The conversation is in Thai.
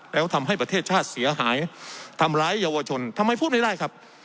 แล้วทำให้ประเทศชาติเสียหายทำร้ายเยาวชนทำไมพูดไม่ได้ครับ